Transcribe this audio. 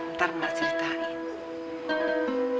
ntar mbak ceritain